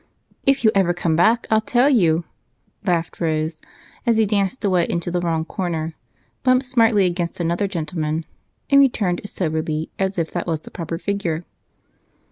"If you ever come back I'll tell you," laughed Rose as he danced away into the wrong corner, bumped smartly against another gentleman, and returned as soberly as if that was the proper figure.